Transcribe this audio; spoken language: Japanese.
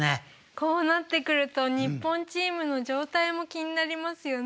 こうなってくると日本チームの状態も気になりますよね。